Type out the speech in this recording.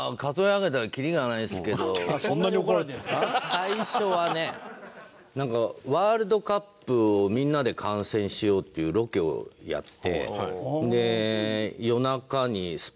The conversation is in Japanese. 最初はねなんかワールドカップをみんなで観戦しようっていうロケをやって。